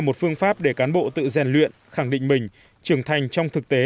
một phương pháp để cán bộ tự rèn luyện khẳng định mình trưởng thành trong thực tế